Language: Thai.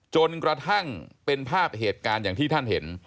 จนกระทั่งเป็นภาพเหตุการณ์อย่างที่ท่านเห็น